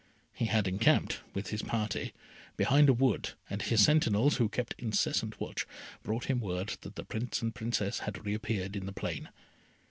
He had encamped, with his party, behind a wood, and his sentinels, who kept incessant watch, brought him word that the Prince and Princess had re appeared in the plain.